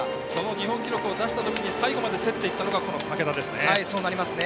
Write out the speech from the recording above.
日本記録を出したときに最後まで競っていたのがそうなりますね。